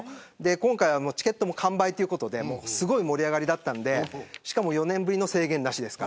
今回チケットも完売ということですごい盛り上がりだったんでしかも４年ぶりの制限なしです。